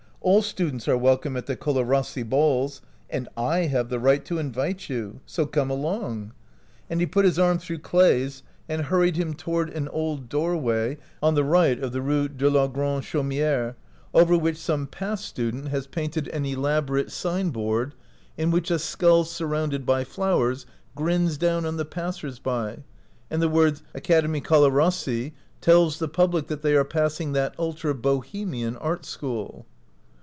All stu dents are welcome at the Colarrossi balls, and / have the right to invite you ; so come along," and he put his arm through Clay's and hurried him toward an old doorway on the right of the Rue de la Grande Chau miere, over which some past student has OUT OF BOHEMIA painted an elaborate sign board, in which a skull surrounded by flowers grins down on the passers by and the words "Academie Colarrossi " tells the public that they are passing that ultra Bohemian art school.